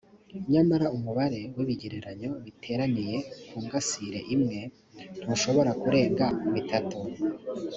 nyamara umubare w ibigereranyo biteraniye ku ngasire imwe ntushobora kurenga bitatu